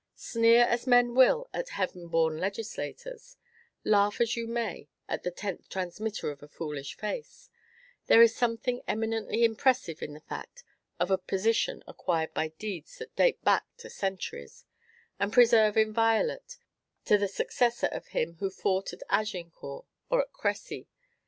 Sneer as men will at "heaven born legislators," laugh as you may at the "tenth transmitter of a foolish face," there is something eminently impressive in the fact of a position acquired by deeds that date back to centuries, and preserved inviolate to the successor of him who fought at Agincourt or at Cressy.